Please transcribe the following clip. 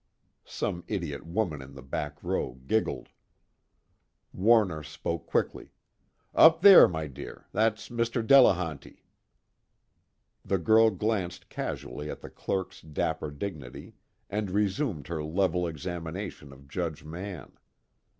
Some idiot woman in the back row giggled. Warner spoke quickly: "Up there, my dear, that's Mr. Delehanty." The girl glanced casually at the clerk's dapper dignity, and resumed her level examination of Judge Mann.